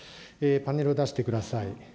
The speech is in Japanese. パネルを出してください。